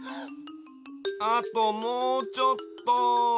あともうちょっと。